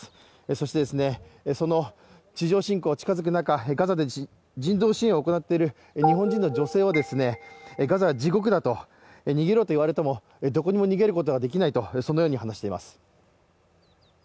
そしてその地上侵攻が近づく中ガザで人道支援を行っている日本人の女性はガザは地獄だと逃げろと言われてもどこにも逃げることができないと、そのように話しています。